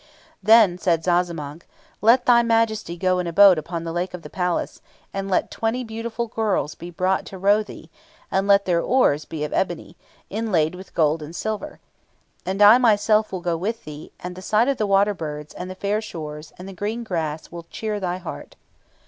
Then said Zazamankh, 'Let thy Majesty go in thy boat upon the lake of the palace, and let twenty beautiful girls be brought to row thee, and let their oars be of ebony, inlaid with gold and silver. And I myself will go with thee; and the sight of the water birds, and the fair shores, and the green grass will cheer thy heart.'